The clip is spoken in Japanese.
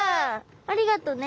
ありがとうね。